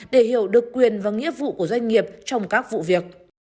để hiểu được quyền và nghĩa vụ của doanh nghiệp trong các vụ việc